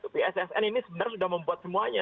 bssn ini sebenarnya sudah membuat semuanya